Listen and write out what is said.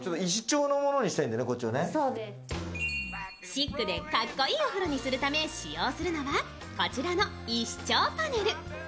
シックでかっこいいお風呂にするため使用するのは、こちらの石調パネル。